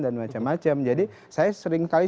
dan macam macam jadi saya seringkali